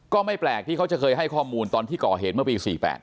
ก็ไม่แปลกที่เขาจะเคยให้ข้อมูลตอนที่ก่อเหตุเมื่อปี๔๘